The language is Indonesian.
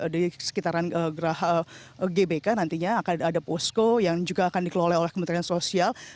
di sekitaran gerah gbk nantinya akan ada posko yang juga akan dikelola oleh kementerian sosial